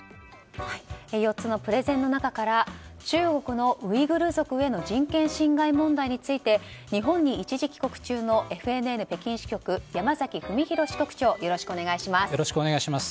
４つのプレゼンの中から中国のウイグル族への人権侵害問題について日本に一時帰国中のＦＮＮ北京支局山崎文博支局長よろしくお願いします。